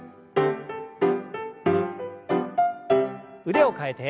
腕を替えて。